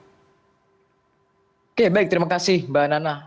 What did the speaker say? oke baik terima kasih mbak nana